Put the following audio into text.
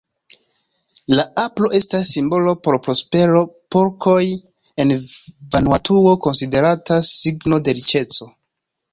La apro estas simbolo por prospero, porkoj en Vanuatuo konsideratas signo de riĉeco.